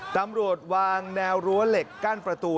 ตำรวจวางแนวรั้วเหล็กกั้นประตู